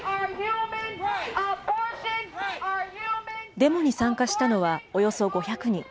デモに参加したのはおよそ５００人。